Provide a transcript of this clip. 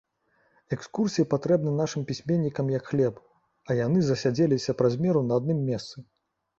Экскурсіі патрэбны нашым пісьменнікам як хлеб, а яны засядзеліся праз меру на адным месцы.